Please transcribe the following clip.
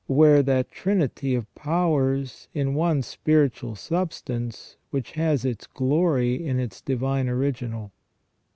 Where that trinity of powers in one spiritual substance which has its glory in its divine original